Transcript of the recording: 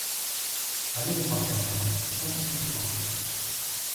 Allons, marcassin, empiffre-toi !